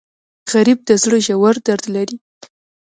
غریب د زړه ژور درد لري